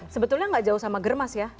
sebetulnya nggak jauh sama germas ya